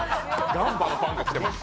ガンバのファンが来てます。